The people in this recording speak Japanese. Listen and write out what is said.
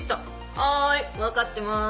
はい分かってます